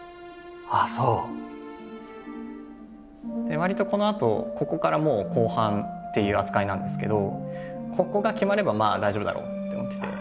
わりとこのあとここからもう後半っていう扱いなんですけどここが決まればまあ大丈夫だろうって思ってて。